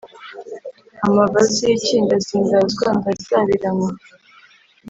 Amava-ziki ndazindazwa, ndazabiranywa;